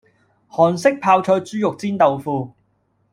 韓式泡菜豬肉煎豆腐